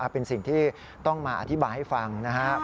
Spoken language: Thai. เป็นสิ่งที่ต้องมาอธิบายให้ฟังนะครับ